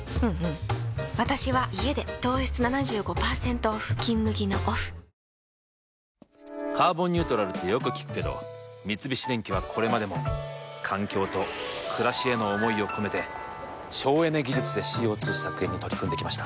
糖質オフってことで「カーボンニュートラル」ってよく聞くけど三菱電機はこれまでも環境と暮らしへの思いを込めて省エネ技術で ＣＯ２ 削減に取り組んできました。